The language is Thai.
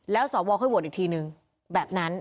แล้วสวค่อยโหวตอีกทีนึงแบบนั้น